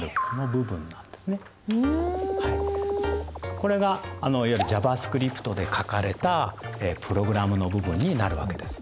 これがいわゆる「ＪａｖａＳｃｒｉｐｔ」で書かれたプログラムの部分になるわけです。